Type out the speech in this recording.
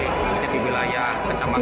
khususnya di wilayah kecamatan belakang bang